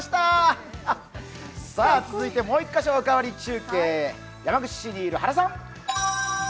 続いてもう一カ所、「おかわり中継」、山口市にいる原さん。